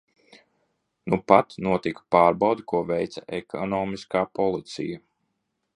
Nupat notika pārbaude, ko veica Ekonomiskā policija.